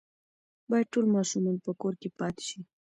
باید ټول ماشومان په کور کې پاتې شي.